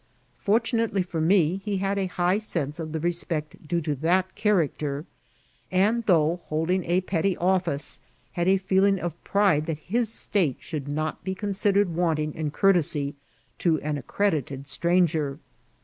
Fortunately for me, he had a high sense of the respect due to that character, and, though holding a petty office, had a feeling of pride that his state should not be considered wanting in courtesy to an accredited stranger.